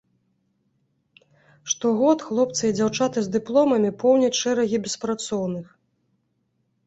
Штогод хлопцы і дзяўчаты з дыпломамі поўняць шэрагі беспрацоўных.